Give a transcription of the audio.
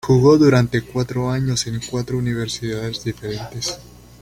Jugó durante cuatro años en cuatro universidades diferentes.